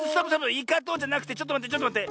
「イカと」じゃなくてちょっとまってちょっとまって。